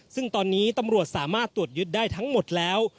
ซึ่งตอนนี้ตำรวจสามารถตรวจยึดได้ทั้งหมดแล้ว